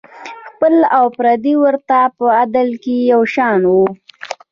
خپل او پردي ورته په عدل کې یو شان وو.